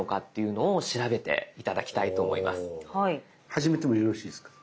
始めてもよろしいですか？